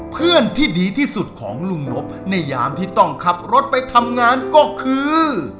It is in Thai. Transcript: เพื่อนที่ดีที่สุดของลุงนบในยามที่ต้องขับรถไปทำงานก็คือ